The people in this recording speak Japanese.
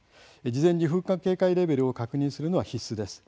事前に噴火警戒レベルを確認するのは、必須です。